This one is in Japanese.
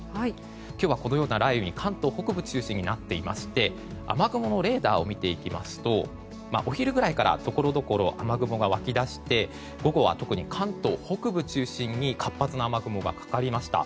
今日はこのような雷雨に関東北部中心になっていまして雨雲のレーダーを見ていきますとお昼ぐらいからところどころ雨雲が湧き出して午後は関東北部中心に活発な雨雲がかかりました。